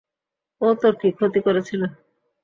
ও তোর কী ক্ষতি করেছিল?